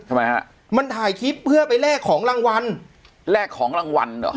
ทำไมฮะมันถ่ายคลิปเพื่อไปแลกของรางวัลแลกของรางวัลเหรอ